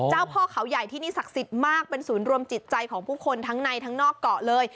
พ่อเขาใหญ่ที่นี่ศักดิ์สิทธิ์มากเป็นศูนย์รวมจิตใจของผู้คนทั้งในทั้งนอกเกาะเลย